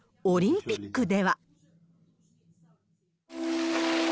オリンピックでは。